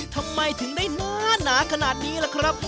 ทำไมถึงได้หนาขนาดนี้ล่ะครับ